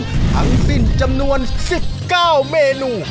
ทั้งสิ้นจำนวน๑๙เมนู